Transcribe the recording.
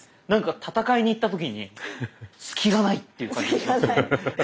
なんか戦いに行った時に隙がないっていう感じ。